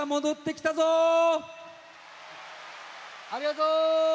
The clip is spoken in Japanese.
ありがとう！